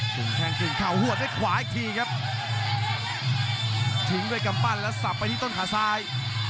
คุยข้าวหัวไว้ขวาอีกทีครับทิ้งด้วยกำปั่นแล้วสับไปที่ต้นขาซาย